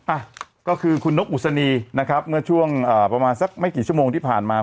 อ่ะก็คือคุณนกอุศนีนะครับเมื่อช่วงอ่าประมาณสักไม่กี่ชั่วโมงที่ผ่านมา